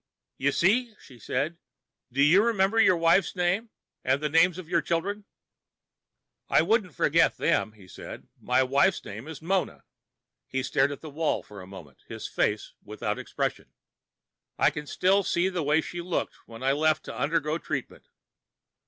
"You see?" she said. "Do you remember your wife's name? And the names of your children?" "I wouldn't forget them," he said. "My wife's name was Mona." He stared at the wall for a moment, his face without expression. "I can still see the way she looked when I left to undergo treatment.